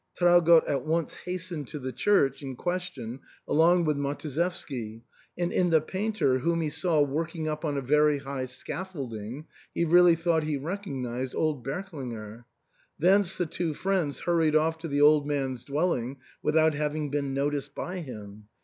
Traugott at once hastened to the church in question along with Matuszewski ; and in the painter, whom he saw working up on a very high scaffolding, he really thought he recognised old Berk linger. Thence the two friends hurried off to the old man's dwelling, without having been noticed by him.